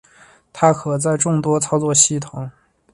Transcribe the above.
它可在众多操作系统。